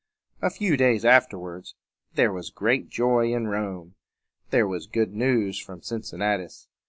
A few days afterward there was great joy in Rome. There was good news from Cincinnatus.